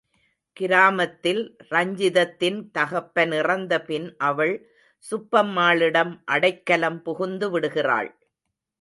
கிராமத்தில் ரஞ்சிதத்தின் தகப்பன் இறந்த பின் அவள் சுப்பம்மாளிடம் அடைக்கலம் புகுந்துவிடுகிறாள்.